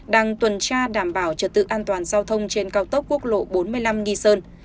đang tuần tra đảm bảo trật tự an toàn giao thông trên cao tốc quốc lộ bốn mươi năm nghi sơn